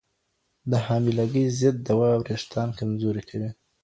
د حاملګي ضد دوا وریښتان کمزوري کوي.